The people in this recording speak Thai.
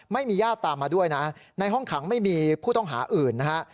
ญาติตามมาด้วยนะในห้องขังไม่มีผู้ต้องหาอื่นนะฮะ